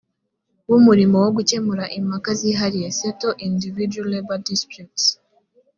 w umurimo mu gukemura impaka zihariye settle individual labour disputes